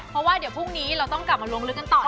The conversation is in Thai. เพราะว่าเดี๋ยวพรุ่งนี้เราต้องกลับมาลงลึกกันต่อ